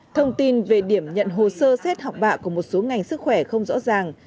thông tin về điểm nhận hồ sơ xét học bạ của một số ngành sức khỏe không rõ ràng